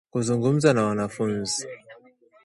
kuzungumza na wanafunzi